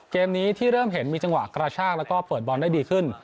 เกมนี้ที่เริ่มเห็นมีจังหวะกระชากแล้วก็เปิดบอลได้ดีขึ้น